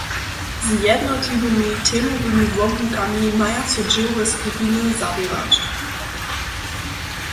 Z jednotliwymi temowymi wobłukami maja so dźěłowe skupiny zaběrać.